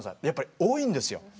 やっぱり多いんですよ。